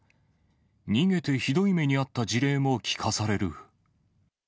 逃げてひどい目に遭った事例も聞かされる。